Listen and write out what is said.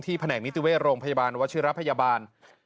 แผนกนิติเวชโรงพยาบาลวชิระพยาบาล